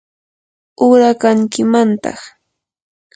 uqrakankimantaq.